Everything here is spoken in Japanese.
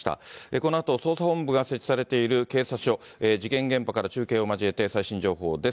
このあと、捜査本部が設置されている警察署、事件現場から中継を交えて、最新情報です。